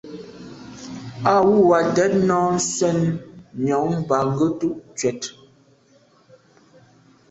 Á wʉ́ Wàtɛ̀ɛ́t nɔ́ɔ̀ nswɛ́ɛ̀n nyɔ̌ŋ bā ngə́tú’ cwɛ̀t.